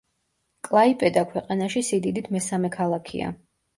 კლაიპედა ქვეყანაში სიდიდით მესამე ქალაქია.